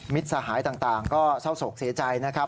สหายต่างก็เศร้าโศกเสียใจนะครับ